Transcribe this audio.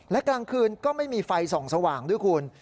และกลางคืนก็ไม่มีไฟส่องสว่างด้วยคุณ